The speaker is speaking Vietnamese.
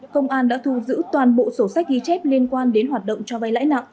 công an đã thu giữ toàn bộ sổ sách ghi chép liên quan đến hoạt động cho vai